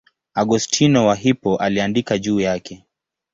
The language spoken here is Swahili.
Augustino wa Hippo aliandika juu yake.